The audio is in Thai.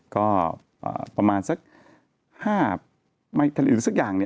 ก็ประมาณสัก๕ไม่ถึงสักอย่าง